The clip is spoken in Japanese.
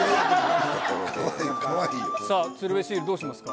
さぁ鶴瓶シールどうしますか？